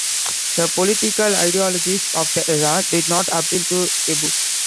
The political ideologies of the era did not appeal to Ibuse.